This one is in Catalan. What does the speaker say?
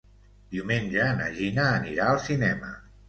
Diumenge na Gina anirà al cinema.